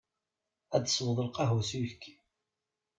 Ad tesweḍ lqahwa s uyefki.